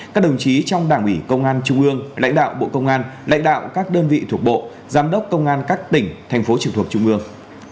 các đồng chí trong đảng ủy công an trung ương lãnh đạo bộ công an lãnh đạo các đơn vị thuộc bộ giám đốc công an các tỉnh thành phố trực thuộc trung ương